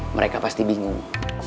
mereka pasti bingung